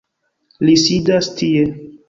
Li sidas tie